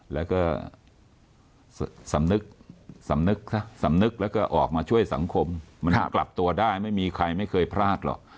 แล้วก็สำนึกสำนึกสำนึกแล้วก็ออกมาช่วยสังคมมันกลับตัวได้ไม่มีใครไม่เคยพลาดหรอก